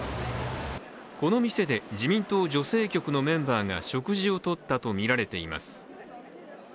この店で自民党女性局のメンバーが食事を取ったとみられています。